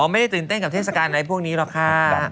ไม่ได้ตื่นเต้นกับเทศกาลอะไรพวกนี้หรอกค่ะ